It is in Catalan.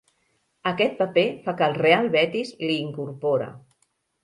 Aquest paper fa que el Real Betis l'hi incorpore.